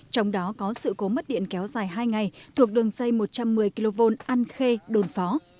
trong đó có sự cố mất điện kéo dài hai ngày thuộc đường dây một trăm một mươi kv an khê đồn phó